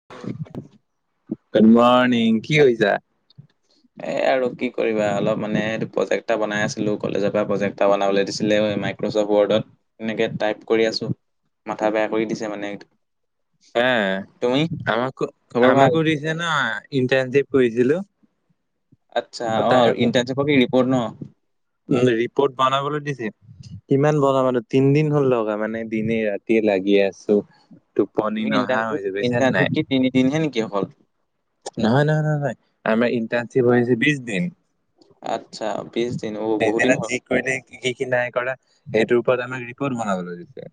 অ'। Good morning কি কৰিছা। উ [unintelligible] এ আৰু কি কৰিবা অলপ মানে এইটো প্ৰজেক্ট এটা বনাই আছিলো কলেজৰ পৰা প্ৰজেক্ট এটা বনাবলৈ দিছিলে ম ছ ৱৰ্ডত এনেকে টাইপ কৰি আছো মাথা বেয়া কৰি দিছে মানে হা তুমি খবৰ ভাল। এই ন ইণ্টাৰনশ্বিপ কৰিছিলো। আচ্ছা তাৰ অ', ইণ্টাৰশিপৰ ৰিপৰ্ট ন। উম, ৰিপৰ্ট বানাবলৈ দিছে। কিমান [unintelligible] মানুহ তিনদিন হ'ল লগা, মানে দিনে ৰাতিয়ে লাগি আছো। টোপনি নহা হৈছে বুজিছ নে নাই? তিনিদিন হে নেকি অকল? নহয়, নহয়, নহয়, নহয়, আমাৰ ইণ্টাৰশ্বিপ হৈছে বিশ দিন। আচ্ছা, বিশ দিন অ বহুত দিন [unintelligible] হ'ল যি কৰিলে কি কি নাই কৰা, সেইটোৰ ওপৰত আমাক ৰিপৰ্ট বনাবলৈ দিছে।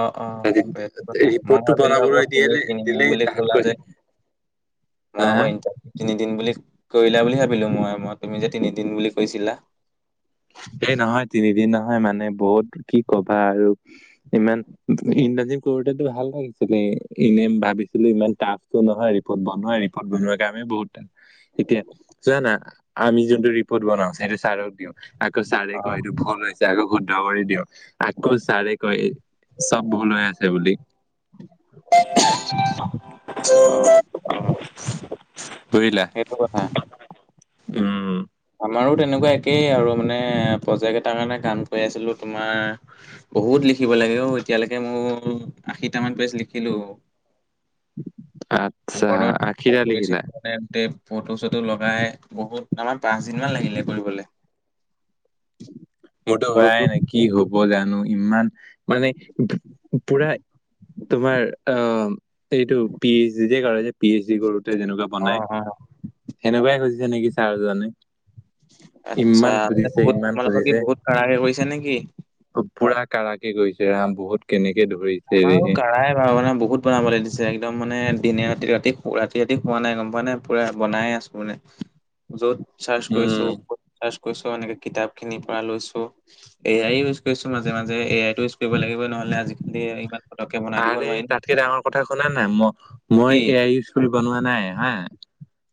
অ', অ', সেইটো কথা, মই ৰিপৰ্টটো ভাবিলো আকৌ বনাবলৈ তুমি দিলে কিনি দিম দিলেই বুলি তাহাঁত ক'লা যে কৈছে হা [unintelligible] তিনিদিন বুলি কৰিলা বুলি ভাবিলো মই, মই তুমি যে তিনিদিন বুলি কৈছিলা। এই নহয়, তিনিদিন নহয়, মানে বহুত কি ক'বা আৰু ইমান ইণ্টাজি কৰোতেটো ভাল লাগিছিলে, এনেম ভাবিছিলো ইমান টাফটো নহয় [unintelligible] বনোৱা ৰিপদ বনোৱা কাৰ কামে বহুত এতিয়া জানা, আমি যোনটো ৰিপৰ্ট বনাও সেইটো ছাৰক দিওঁ। আকৌ চাৰে অ কয় এইটো [unintelligible] আকৌ শুদ্ধ কৰি দিয়ক, আকৌ ছাৰে কৈ চব ভুল হৈ আছে বুলি। [inaudible] অ সেইটো কথা [unintelligible] উম। আমাৰো তেনেকুৱা একেই আৰু, মানে প্ৰজেক্ট এটাৰ কাৰণে কাম কৰি আছিলো তোমাৰ বহুত লিখিব লাগে অ' এতিয়ালৈকে মোৰ আশীটামান পেজ লিখিলো। আহ। ওপৰত [unintelligible] গোটেই ফটো চটো লগাই বহুত, আমাৰ পাঁচ দিন মান লাগিলে কৰিবলে। মোৰতো গ্ৰুপ হোৱাই গ্ৰুপ নাই, কি হ'ব জানো? ইমান মানে পুৰা তোমাৰ অ', এইটো পি এইচ ডি যে কৰে, পি এইচ ডি কৰোতে যেনেকুৱা অ বনাই, অ সেনেকুৱাই খুজিছে নেকি ছাৰ জনে? ইমান খুজিছে, ইমান খুজিছে। [unintelligible] কৰিছা নেকি? পুৰা কাঢ়াকেই কৰিছে ৰাম, বহুত কেনেকে ধৰি আমাৰো কাঢ়াই বাৰু, মানে বহুত বনাবলৈ দিছে, একদম মানে দিনে ৰাতি ৰাতি-ৰাতি ৰাতি শোৱা নাই গম পোৱানে? পুৰা বনাই আছো মানে। য'ত চাৰচ উম কৰিছো, ত'ত চাৰচ কৰিছো, এনেকে কিতাপ খিনিৰ পৰা লৈছো। এ আইও ইউজ কৰিছো মাজে মাজে, এ আই টো ইউজ কৰিব লাগিবই, নহ'লে আজি আৰে, তাতকে ডাঙৰ কথা শুনা না, ম-মই কি এ আই কৰি বনোৱা নাই হা,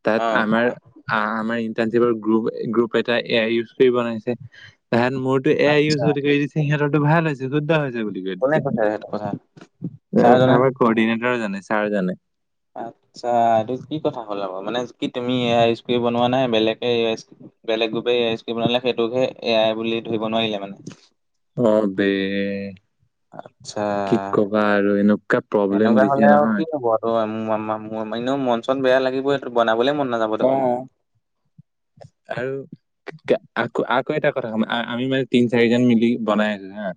তাত অ আমাৰ কোৱা আ-আমাৰ ইণ্টাৰ্ণশ্বিপৰ গ্ৰুপ-গ্ৰুপ এটাই এ আই ইউজ কৰি বনাইছে। তাৰ পিছত মোৰতো এ আই ইউজ আচ্ছা বুলি কৈ দিছে, সিহঁতৰটো ভাল হৈছে শুদ্ধ হৈছে বুলি কৈ দিছে। কোনে সেইটো কথা, চাৰ জনে কৰ্ডিনেটৰে জানে, ছাৰে জানে। আচ্ছা এইটো কি কথা হ'ল আওঁ মানে, কি তুমি এ আই ইউচ কৰি বনোৱা নাই বেলেগে এ আ বেলেগ গ্ৰুপে এ আই উচ কৰি বনালে, সেইটোকহে এ আই বুলি ধৰিব নোৱাৰিলে মানে। অ', বে। আচ্ছা কি কবা আৰু, এনেকুৱা প্ৰব্লেম দিছে নহয়। অ', [unintelligible] এনেও মন চন বেয়া লাগিবই, এইটো বনাবলেই মন নাযাব দেখোন অহ। [inaudible] আৰু? আকৌ আকৌ এটা কথা শুন, আমি মানে তিন চাৰিজন মিলি বনাই আছো হা।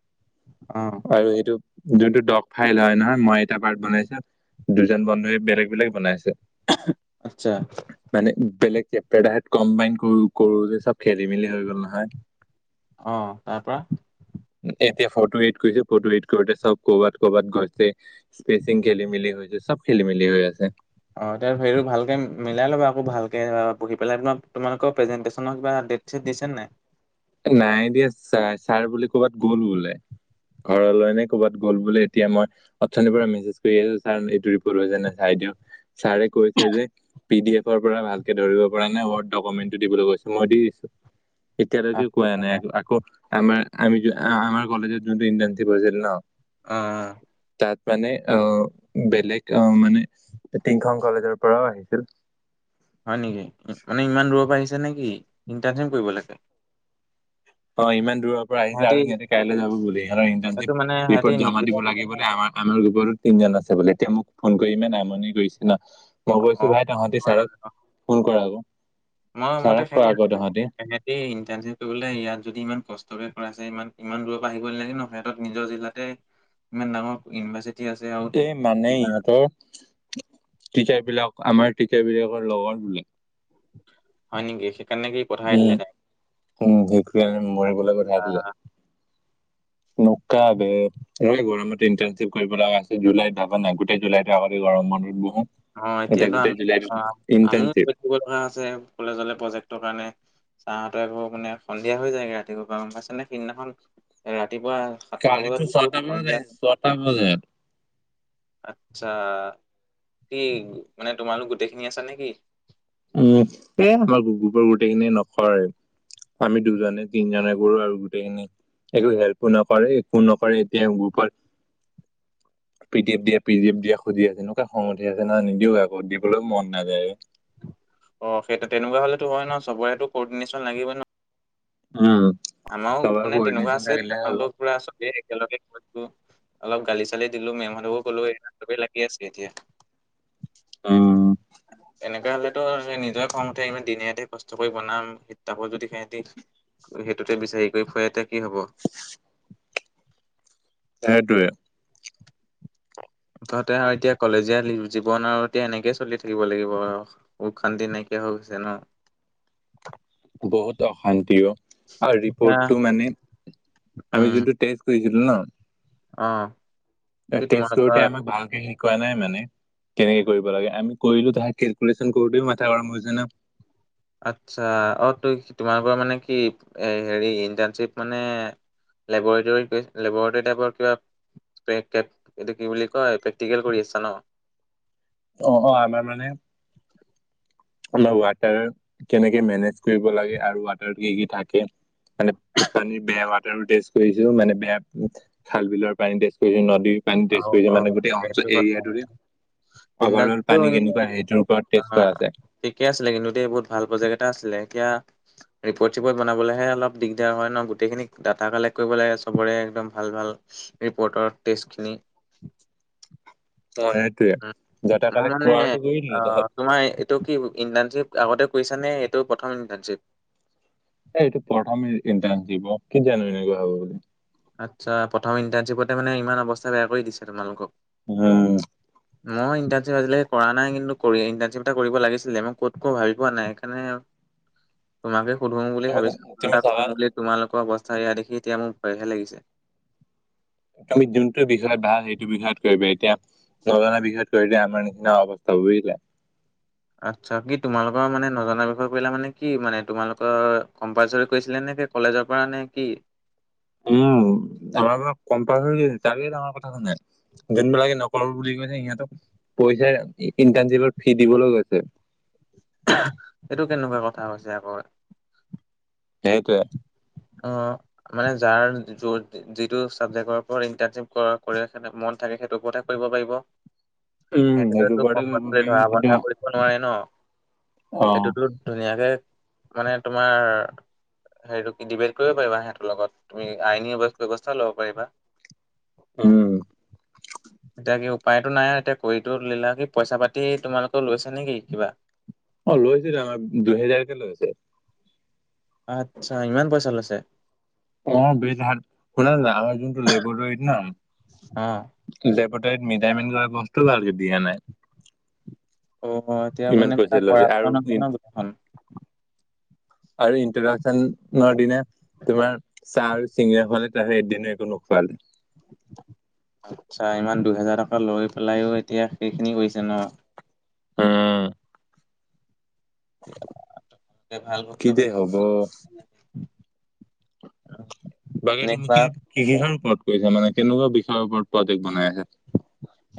অ'। আৰু এইটো যোনটো ডগ ফাইল হয় নহয়, মই এটা পাৰ্ট বনাইছোঁ দুজন বন্ধুৱে বেলেগ-বেলেগ বনাইছে। আচ্ছা। মানে বেলেগ [unintelligible] কম্বাইন কৰোঁ-কৰোঁতে চব খেলিমেলি হৈ গ'ল নহয়। অ', তাৰ পৰা? এতিয়া ফটো এড কৰিছে, ফটো এড কৰোঁতে চব কৰ'বাত-কৰ'বাত গৈছে স্পেচিং খেলিমেলি হৈছে, চব খেলিমেলি হৈ আছে। অ', এতিয়া হেৰিটো ভালকে মিলাই ল'বা আকৌ। ভালকে পঢ়ি পেলাই, তোমালোকৰ প্ৰেজেণ্টেচনৰ কিবা ডেট চেট দিছে নে নাই? এ নাই দিয়া, ছা-ছাৰ বোলে ক'ৰবাত গ'ল বোলে ঘৰলৈ নে ক'ৰবাত গ'ল বোলে, এতিয়া মই অথনিৰ পৰা মেছেজ কৰি আছোঁ, ছাৰ, এইটো ৰিপ'ৰ্ট হৈছে নে নাই চাই দিয়ক। ছাৰে কৈছে যে পিডিএফৰ পৰা ভালকৈ ধৰিব পৰা নাই, ৱৰ্ড ডকুমেণ্টটো দিবলৈ কৈছে। মই দি দিছোঁ, এতিয়ালৈকে মানে অ আকৈ, আকৌ আমাৰ, আমি যিটো আমাৰ কলেজত যোনটো ইণ্টাৰ্নশ্বিপ হৈছিল ন' অ', অ', অ'। তাত মানে, আ, বেলেগ, আ, মানে, তিনিখন কলেজৰ পৰাও আহিছিল। হয় নেকি? মানে ইমান দূৰৰ পৰা আহিছে নেকি, ইণ্টাৰ্নশ্বিপ কৰিবলৈকে? অ', ইমান দূৰৰ পৰা আহিছে সিহঁতি আৰু সিহঁতে কাইলৈ যাব বুলি, সিহঁতৰ এইটো মানে ইণ্টাৰ্নশ্বিপ সিহঁতি ৰিপ'ৰ্ট জমা নিজে দিব আহিছে লাগে নে? বুলি আমাৰ, আমাৰ গুগল তিনিজন আছে বুলি, এতিয়া মোক ফোন কৰি ইমান আমনি কৰিছে জানা, অ মই কৈছোঁ ভাই, সেইটো তহঁতি হয় ছাৰক ফোন কৰ আৰু ছাৰক ক' আকৌ, তহঁতি সেহেঁতি ইণ্টাৰ্নশ্বিপ কৰিবলৈ ইয়াত যদি ইমান কষ্টকে কৰাইছে, ইমান, ইমান দূৰৰ পৰা আহিবই নালাগে ন? সিহঁতৰ নিজৰ জিলাতে ইমান ডাঙৰ ইউনিভাৰ্চিটি আছে আৰু এই মানে, ইহঁতৰ টিচাৰবিলাক আমাৰ টিচাৰবিলাকৰ লগৰখিনি হয় নেকি? সেইকাৰণে কি? পঠাই উম, দিলে উম, সেইটোৱেই আৰু মৰিবলৈ পঠাই তাইক? দিলে। [unintelligible] বে, মোৰ এই গৰমতে ইণ্টাৰ্নশ্বি শ্বিপ কৰিব লগা আছিল জুলাইত, ভাবা নাই, গোটেই জুলাইটো আগতে গৰম বন্ধত বহোঁ অ' গোটেই, এতিয়াতো আমি গোটেই জুলাইটো অ' ইণ্টাৰ্নশ্বিপ [unintelligible] আছে কলেজলৈ প্ৰজেক্টৰ কাৰণে ছাৰহঁতে আকৌ মানে সন্ধিয়া হৈ যায়গৈ। ৰাতিপুৱাৰ পৰা, গম পাইছনে? সেইদিনাখন ৰাতিপুৱা সাতটা বজাত কালিটো গৈছো ছয়টামানত সন্ধিয়া আহিছে, ছয়টা বজাত আচ্ছা, কি মানে তোমালোক গোটেইখিনি আছা নেকি? উম, এই আমাৰ গ্ৰুপৰ গোটেইখিনিয়ে নকৰে আমি দুজনে-তিনজনে কৰোঁ আৰু গোটেইখিনি একো হেল্পো নকৰে, একো নকৰে, এতিয়া সেই গ্ৰুপত [inaudible] পিডিএফ দিয়া, পিডিএফ দিয়া খুজি আছে। এনেকুৱা খং উঠি আছে নহয়, নিদিওঁ আকৌ, দিবলৈও মন নাযায়। অ', সেইটো তেনেকুৱা হ'লেতো হয়েই ন? চবৰে তো ক'ৰ্ডিনেশ্যন লাগিবই ন উম। আমাৰো চবৰে মানে তেনেকুৱা, কৰ্ডিনেশ্যন থাকিলেহে হ'ব। [unintelligible] চবেই একেলগে কৈছোঁ অলপ গালি-চালি দিলোঁ, মেমহঁতকো ক'লোঁ, এইয়া, চবেই লাগি আছে এতিয়া উম। এনেক কে হ'লেটো নিজৰেই খং উঠে ইমান দিনে-ৰাতিয়ে কষ্ট কৰি বনাম, শীত-তাপৰ যদি সেহেঁতি হে টোতে বিচাৰি কৰি ফুৰে, তে কি হ'ব? [inaudible] সেইটোৱে [inaudible] মুঠতে আৰু এতিয়া কলেজীয়া জীৱন আৰু এতিয়া এনেকেই চলি থাকিব লাগিব আৰু। সুখ শান্তি নাইকিয়া হৈ গৈছে ন'? বহুত অশান্তি। আৰু এতিয়া ৰিপৰ্টটো মানে আমি উম যোন কৰিছিল ন'? অ'। কি টেচ কৰোতে তোমালোকৰ আমাক ভালকে শিকোৱা নাই মানে কেনেকে কৰিব লাগে আমি। কৰিলো তাহে কেলকুলেশ্যন কৰোঁতেই মাথা গৰম হৈ যায় না। আচ্ছা। অ' ত-তোমালোকৰ মানে কি এ, হেৰি ইণ্টাৰণশ্বিপ মানে লেবৰেটৰী লেবৰেটৰী টাইপৰ কিবা প্ৰে কেপ এইটো কি বুলি কয় প্ৰেক্টিকেল কৰি আছা ন'? অ', অ' আমাৰ মানে আমাৰ ৱাটাৰ কেনেকে মেনেজ কৰিব লাগে আৰু ৱাটাৰ কি কি থাকে মানে পানীৰ বেয়া ৱাটাৰো টেষ্ট কৰিছোঁ মানে বেয়া খাল বিলৰ পানী টেষ্ট কৰিছে, নদীৰ পানী অ টেষ্ট কৰিছে অ মানে গোটেই সেইটো অঞ্চল কথা এৰিয়াটোৰে অভাৰ অ'ল ইণ্টাৰ্ণশ্বিপটো পানী কেনেকুৱা সেইটোৰ ওপৰত টেষ্ট কৰা আছে। ঠিকেই আছিলে কিন্তু দেই বহুত ভাল প্ৰজেক্ট এটা আছিলে। এতিয়া ৰিপৰ্ট চিপৰ্ট বনাবলেহে অলপ দিগদাৰ হয় ন' গোটেইখিনি ডাটা কালেক্ট কৰিব লাগে, চবৰে একদম ভাল ভাল। ৰিপৰ্টৰ টেষ্টখিনি। অ' সেইটোয়ে। ডাটা মই কালেক্ট মানে কৰাটো কৰি অ দিলোঁ তহঁত তোমাৰ এই এইটো কি ইণ্টাৰ্ণশ্বিপ আগতে কৰিছা নে এইটো প্ৰথম ইণ্টাৰ্শ্বিপ? এই এইটো প্ৰথমে ইণ্টাৰ্ণচিপ। কি জানো এনেকুৱা হ'ব বুলি। আচ্ছা, প্ৰথম ইণ্টাৰ্ণশ্বিপতে মানে ইমান অৱস্থা বেয়া কৰি দিছে তোমালোকক। উম। মই ইণ্টাৰ্শিপ আজিলৈকে কৰা নাই কিন্তু ইণ্টাৰ্ণশ্বিপ এটা কৰিব লাগিছিলে, মই ক'ত কৈ ভাবি পোৱা নাই সেইকাৰনে [inaudible] তোমাকে সুধোম বুলি তুমি ভাবিছিলো ফোন তুমি এ, চাবা কম বুলি, তোমালোকৰ অৱস্থা ইয়া দেখি এতিয়া মোৰ ভয়হে লাগিছে। তুমি যোনটো বিষয়ত ভাল সেইটো বিষয়ত কৰিবা। এতিয়া নজনা বিষয়ত কৰিলে আমাৰ নিচিনা অৱস্থা বুজিলা? আচ্ছা, কি তোমালোকৰ মানে নজনা বিষয় কৰিলা মানে কি মানে তোমালোকৰ কম্পালচৰি কৰিছিলে নে কলেজৰপৰা নে কি? উম, আমাৰ মানে কম্পালচৰি কৰি দিছে, ডাঙৰ কথাটো নাই, যোনবিলাকে ন বুলি কৈছে, সিহঁতক পইচাৰ ইনট্ণশিপৰ ফি দিবলৈ কৈছে। এইটো কেনেকুৱা কথা হৈছে আকৌ। সেইটোৱে। অ' মানে যাৰ য'ত যিটো চাবজেক্টৰ ওপৰত ইণ্টাৰ্ণশ্বিপ কৰি মন থাকে সেইটো ওৰতহে কৰিব পাৰিব। উম সেইটো সেইটোতো ওপৰতে কৰিব কম্পালচৰি পাৰি ধৰা কিন্তু বন্ধা নোৱাৰে ন'? অ এইটোতো ধুনীয়াকে মানে তোমাৰ হেৰিটো ডিবেট কৰিব পাৰিবা সিহঁতৰ লগত, তুমি আইনী ব্যৱস্থাও ল'ব পাৰিবা। উম। [inaudible] এতিয়া কি উপায়তো নাই আৰু এতিয়া কৰিতো ল'লা। কি পইচা পাতি তোমালোকে লৈছে নেকি কিবা? অ' লৈছিলে, আমাৰ দুহেজাৰকে লৈ আছে। আচ্ছা, ইমান পইচা লৈছে? অ' বে, তাত শুনা না আমাৰ যোনটো লেবৰেটৰীত নাম অ', লেবটৰীত মিটাইমিন কৰা বস্তু ভালকে দিয়া নাই। অ' এতিয়া ইমান মানে পইচা লৈছে খৰাচ আৰু ন' গুটখন। আৰু ইন্ট্ৰডাকচনৰ দিনা তোমাৰ চাহ আৰু চিঙিৰা খুৱালে, তাৰে এদিনো একো নোখোৱালে। আচ্ছা ইমান দুইহেজাৰ টকা লৈ পেলাইও এতিয়া সেইখিনি কৰিছে ন। উম। এতিয়া ভাল কিযে ভুক্তভোগী হ'ব। বাকী তুমি কি নেক্সবাৰ কেইখন ওপৰত কৈছে মানে কেনেকুৱা বিষয়ৰ ওপৰত প্ৰডেক্ট বনাই আছে?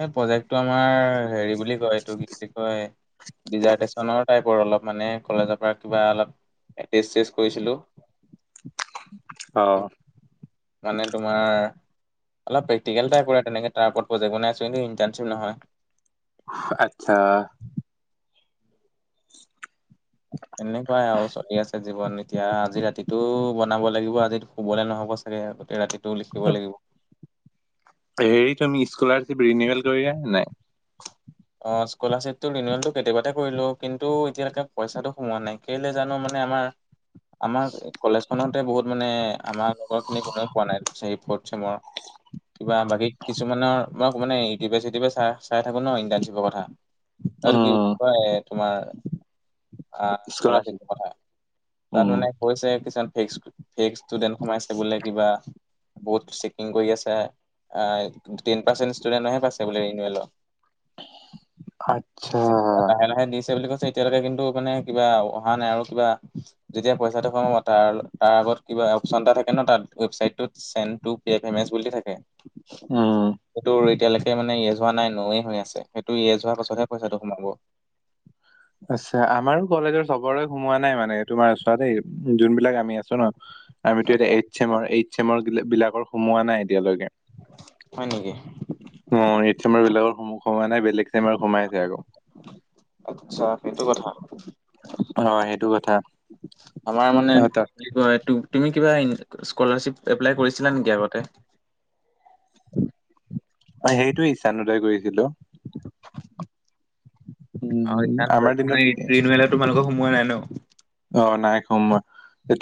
এই প্ৰজেক্টটো আমাৰ হেৰি বুলি কয় এইটো কি বুলি কয় ডিজাৰ্টেশচনৰ টাইপৰ অলপ মানে কলেজৰ পৰা কিবা অলপ এ চ কৰিছিলো। অ। মানে তোমাৰ অলপ প্ৰেকটিকেল টাইপৰে তেনে তাৰ ওপৰত প্ৰেক বনাইছো [unintelligible] আতছা। এনেকুৱাই আৰু চলি আছে জীৱন এতিয়া আজি ৰাতিটো বনাব লাগিব, আজিটো শুবলৈ নহ'ব চাগে, আগোতেই ৰাতি টো লিখিব লাগিব। হেৰি তুমি স্কলাৰশ্বিপ ৰিনিউল কৰিলা নে নাই? অ স্কলাৰশ্বিপটো ৰিনিউলটো কেতিয়াবাতে কৰিলো কিন্তু এতিয়ালৈকে পইচাটো সোমোৱা নাই কেলৈ জানো মানে আমাৰ আমাৰ কলেজখনতে বহুত মানে আমাৰ লগৰ খিনি কোনেও পোৱা নাই থ্ৰি ফৰ্থ চেমৰ। কিবা বাকী কিছুমানৰ মই মানে ইউটিউবে-চিটিউবে চাই চাই থাকো ন ইণ কথা এইটো কি উম, বুলি কয় তোমাৰ আহ স্কলাৰশ্বিপ স্কলাৰিপতৰ কথা। তাত উম, মানে কৈছে কিছুমান ফেক ফে ষ্টুডেণ্ট সোমাইছে বোলে কিবা বহুত চেকিং কৰি আছে, টেন পাৰ্চেন্ট ষ্টুডেন্টহে পাইছে বোল ৰিনিউলৰ। [inaudible] এয়া লাহে লাহে দিছে বুলি কৈছে এতিয়ালৈকে কিন্তু মানে কিবা অহা নাই আৰু কিবা যেতিয়া পইচাটো সোমাব তাৰ তাৰ আগত কিবা অপশচন এটা থাকে ন তাৰ ৱেবচাইটোত। চেট টু পে পেমেণ্ট বুলি থাকে। উম, সেইটো এতিয়ালৈকে মানে ইয়েজ হোৱা নাই, নয়ে হৈ আছে। সেইটো ইয়েজ হোৱা পাছতহে পইচাটো সোমাব। আচ্ছা আমাৰো কলেজৰ চবৰে সোমোৱা নাই মানে তোমাৰ চোবেই যোনবিলাক আমি আছো ন। [unintelligible] আমিতো এতিয়া এইট চেমৰ এইট চেমৰ বিলাক সোমোৱা নাই এতিয়ালৈকে। হয় নেকি? অ এইট চেমাৰ বিলাকৰ সোমোৱা নাই বেলেগ চেমাৰ সোমাই আছে আৰু। আচ্ছা সেইটো কথা। অ সেইটো কথা। আমাৰ মানে অ, তাত কি কয় তু-তুমি কিবা স্কলাৰ্বিপ এপ্লাই কৰিছিলা নেকি আগতে? অ সেইটোয়ে [unintelligible] কৰিছিলো। [unintelligible] উম, আমাৰ দিনত তোমালোকৰ সোমোৱা নাই ন। অ নাই সোমোৱা।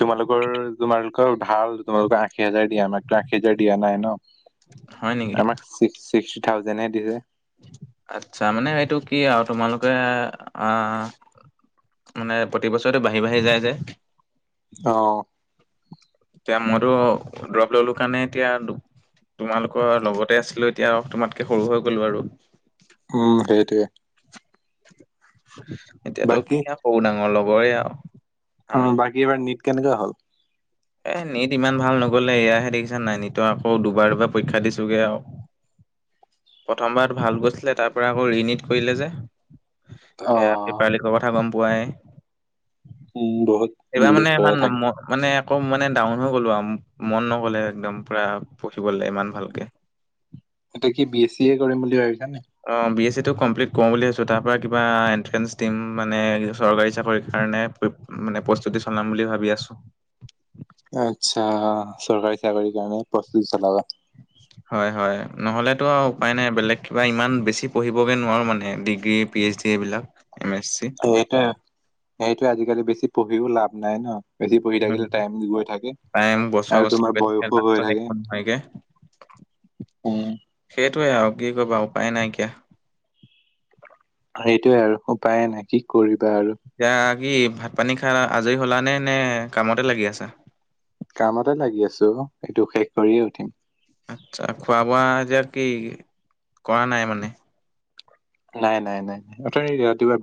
তোমালোকৰ তোমালোকৰ ভাল তোমালোকৰ আশী হাজাৰ দিয়ে। আমাকতো আশী হাজাৰ দিয়া নাই ন। হয় নেকি? আমাক ছিক-ছিক্সটি থাউজেন হে দিছে। আচ্ছা মানে সেইটো কি আৰু তোমালোকে আহ মানে প্ৰতিবছৰে বাঢ়ি বাঢ়ি যায় যে। অ। মইতো দ্ৰপ ললো কাৰণে এতিয়া তোমালোকৰ লগতে আছিলো, এতিয়া তোমাতকে সৰু হৈ গ'লো আৰু। উম সেইটোৱে। এতিয়াতো বাকী কি আকৌ সৰু ডাঙৰ লগৰে আৰু। অ আমি বাকী এইবাৰ নীট কেনেকুৱা হ'ল? এ নীট ইমান ভাল নগ'লে, এয়াহে দেখিছা নাই নীটৰ আকৌ দুবাৰ দুবাৰ পৰীক্ষা দিছোগে আৰু। প্ৰথমবাৰত ভাল গৈছিলে তাৰ পৰা আকৌ ৰিনীট কৰিলে যে। অ এ পেপাৰ লিখৰ কথা গম পোৱাই উম বহুত এইবাৰ মলি মানে হৈয়ে ইমান থাকে নম- মানে একো মানে ডাউন হৈ গ'লো আৰু মন নগলে একদম পুৰা পঢ়িব লাগ ইমান ভালকে। এতিয়া কি বি এছ চি এ কৰিম বুলি ভাবিছা নে। অ' বিএছ চিটো কমপ্লিট কৰো বুলি ভাবছো তাৰ পৰা কিবা এণ্ট্ৰেন্ঞ্চ দিম মানে চৰকাৰী চৰি কাৰণে মানে পৰিস্তুতি চলাম বুলি ভাবি আছো। আচ্ছা চৰকাৰী চাকৰি কাৰণে প্ৰস্তুতি চলাবা। হয় হয় নহ'লেতো আৰু উপায় নাই বেলেগ কিবা ইমান বেছি পঢ়িবগৈ নোৱাৰোঁ মানে ডিগ্ৰী পি এইচ ডি এইবিলাক এম এছ চি। সেইটোয় সেইটোয়ে আজিকালি বেছি পঢ়িও লাভ নাই ন। বেছি পঢ়ি উম, থাকিলে টাইম গৈ থাকে টাইম বছৰ আৰু বছৰ তোমাৰ গৈ থাকে বয়সো হৈ লাষ্টত থাকে। একো নহয়গে [unintelligible] অ'। সেইটোৱে আৰু কি কৰিবা উপায় নাইকিয়া। সেইটোৱে আৰু উপায়ে নাই কি কৰিবা আৰু। এতিয়া কি ভাত পানী খাই আজৰি হলা নে নে কামতে লাগি আছো? কামতে লাগি আছো এইটো শেষ কৰিয়ে উঠিম। আচ্ছা খোৱা বোৱা এতিয়া কি কৰা নাই মানে। নাই নাই নাই নাই আথনি ৰাতিপুৱা